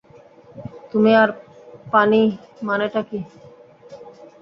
তুমি আর পানি মানেটা কী?